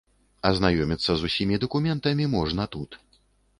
Азнаёміцца з усімі дакументамі можна тут.